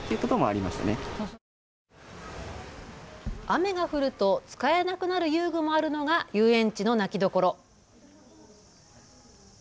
雨が降ると使えなくなる遊具もあるのが遊園地の泣きどころ。